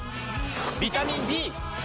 ビタミン Ｂ！